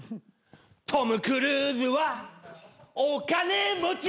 「トム・クルーズはお金持ち」